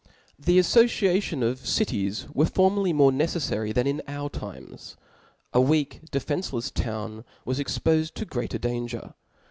, The affociations of cities werip formerly more neceffary than in our times. A weak defencelefs town was expofed to greater danger.